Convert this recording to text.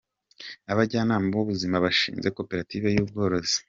Abajyanama b’ubuzima bashinze Koperative y’Ubworozi